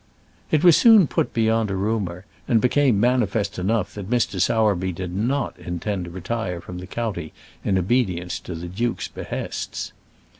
It was soon put beyond a rumour, and became manifest enough, that Mr. Sowerby did not intend to retire from the county in obedience to the duke's behests.